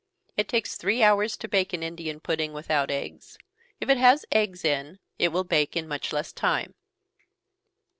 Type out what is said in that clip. It takes three hours to bake an Indian pudding without eggs if it has eggs in, it will bake in much less time.